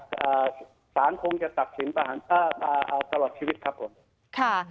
สาธารณ์คงจะตัดสินประหารตลอดชีวิตครับผม